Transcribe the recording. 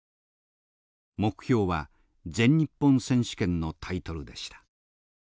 目標は全日本選手権のタイトルでした。